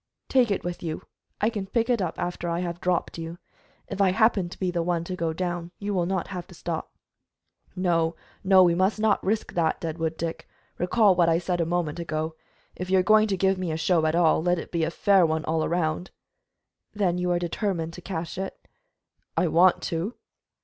"Take it with you; I can pick it up after I have dropped you. If I happen to be the one to go down, you will not have to stop." "No, no, we must not risk that, Deadwood Dick. Recall what I said a moment ago. If you are going to give me a show at all, let it be a fair one all around." "Then you are determined to cache it?" "I want to."